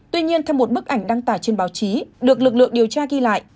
tuy nhiên theo một bức ảnh đăng tải trên báo chí được lực lượng điều tra ghi lại